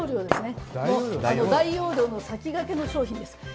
大容量の先駆けの商品です。